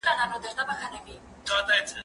زه مخکي زدکړه کړې وه!؟